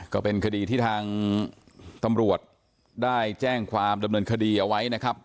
ก็เป็นคดีที่ทางตำรวจได้แจ้งความดำเนินคดีเอาไว้นะครับ